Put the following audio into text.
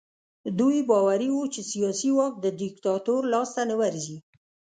دوی باوري وو چې سیاسي واک د دیکتاتور لاس ته نه ورځي.